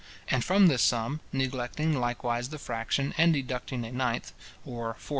And from this sum, neglecting likewise the fraction, and deducting a ninth, or 4s.